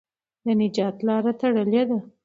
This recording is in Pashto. د نجات لاره تړلې ده.